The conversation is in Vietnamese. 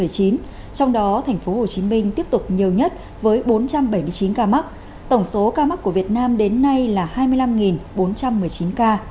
trong đó tp hcm tiếp tục nhiều nhất với bốn trăm bảy mươi chín ca mắc tổng số ca mắc của việt nam đến nay là hai mươi năm bốn trăm một mươi chín ca